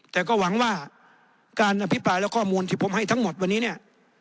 แต่ก็หวังว่าการอภิปรายและข้อมูลที่ผมให้ทั้งหมดวันนี้เนี่ย